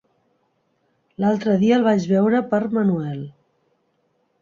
L'altre dia el vaig veure per Manuel.